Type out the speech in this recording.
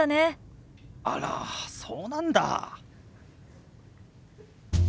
あらそうなんだ。